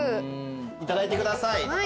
いただいてください。